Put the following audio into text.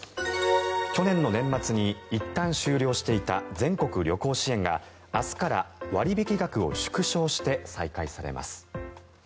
去年の年末にいったん終了していた全国旅行支援が明日から割引額を縮小して再開されます。